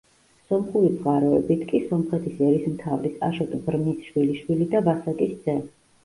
სომხური წყაროებით, კი სომხეთის ერისმთავრის აშოტ ბრმის შვილიშვილი და ვასაკის ძე.